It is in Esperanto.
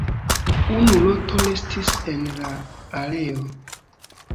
Unu roto restis en la areo.